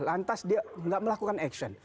lantas dia nggak melakukan aksion